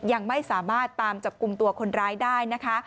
ยังไม่สามารถตามจับกลุ่มตัวคนร้ายได้นะคะ